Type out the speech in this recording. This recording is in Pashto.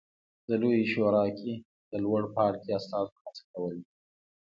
د لویې شورا کې د لوړ پاړکي استازو هڅه کوله